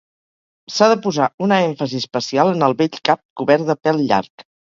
S'ha de posar una èmfasi especial en el bell cap cobert de pèl llarg.